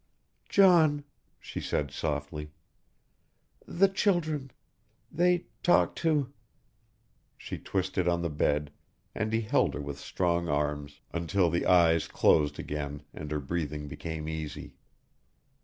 "John," she said softly, "the children ... they ... talk to ..." She twisted on the bed and he held her with strong arms until the eyes closed again and her breathing became easy.